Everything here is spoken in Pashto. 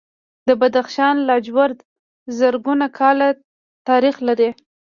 د بدخشان لاجورد زرګونه کاله تاریخ لري